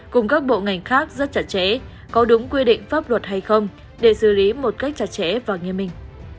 cùng các bộ ngành khác rất chặt chẽ có đúng quy định pháp luật hay không để xử lý một cách chặt chẽ và nghiêm minh